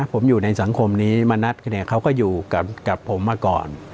ผมอยู่ในสังคมนี้มานัดเนี่ยเขาก็อยู่กับผมมาก่อน